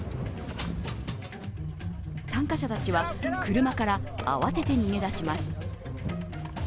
参加者たちは車から慌てて逃げ出します。